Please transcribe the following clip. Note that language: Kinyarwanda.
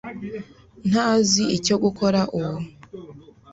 ntazi icyo gukora ubu.